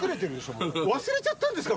もう忘れちゃったんですか？